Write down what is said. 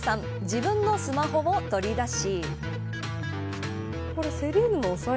自分のスマホを取り出し。